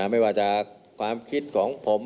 ไม่ว่าจะความคิดของผม